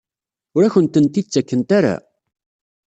Ur akent-tent-id-ttakent ara?